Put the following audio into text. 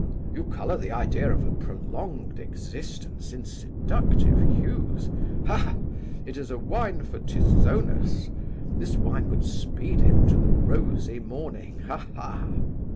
"You colour the idea of a prolonged existence in seductive hues. Ha! It is a wine for Tithonus. This wine would speed him to the rosy Morning aha!"